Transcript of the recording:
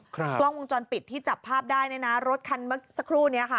กล้องวงจรปิดที่จับภาพได้เนี่ยนะรถคันเมื่อสักครู่นี้ค่ะ